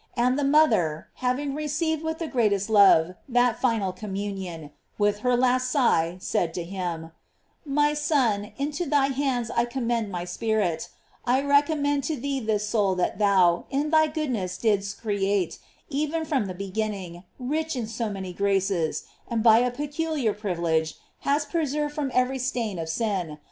And the moth er having received with the greatest love that final communion, with her last sighs said to him: My Son, into thy hands I commend my spirit; I recommend to thee this soul that thou, in thy goodness didst create even from the be ginning, rich in so many graces, and by a peculiar privilege hast preserved from every stain of sin.